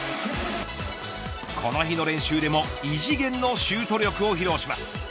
この日の練習でも異次元のシュート力を披露します。